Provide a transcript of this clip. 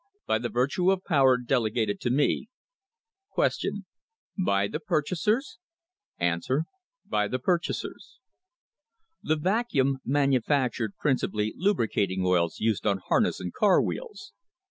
By the virtue of power delegated to me. Q. By the purchasers ? A. By the purchasers. The Vacuum manufactured principally lubricating oils used on harness and car wheels.